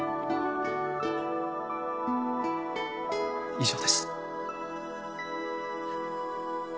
以上です。